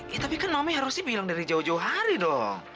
ya tapi kan mami harus sih bilang dari jauh jauh hari dong